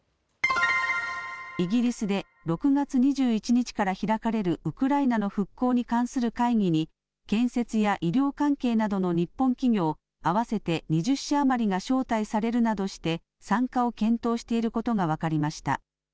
イギリスで６月２１日から開かれるウクライナの復興に関する会議に建設や医療関係などの日本企業合わせて２０社余りが招待されるなどして参加を検討していることが分かりました。